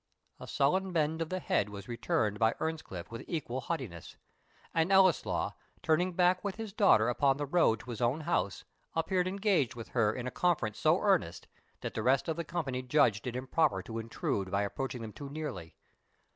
A sullen bend of the head was returned by Earnscliff with equal haughtiness; and Ellieslaw, turning back with his daughter upon the road to his own house, appeared engaged with her in a conference so earnest, that the rest of the company judged it improper to intrude by approaching them too nearly.